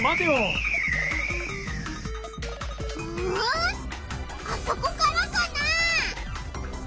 あそこからかな？